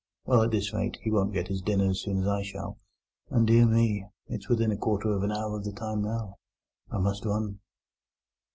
Well, at this rate, he won't get his dinner as soon as I shall; and, dear me! it's within a quarter of an hour of the time now. I must run!"